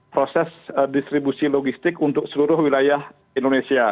proses distribusi logistik untuk seluruh wilayah indonesia